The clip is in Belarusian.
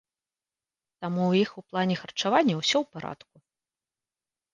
Таму ў іх у плане харчавання ўсё ў парадку.